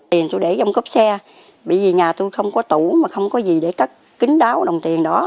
tiền tôi để trong cốp xe vì nhà tôi không có tủ mà không có gì để cắt kính đáo đồng tiền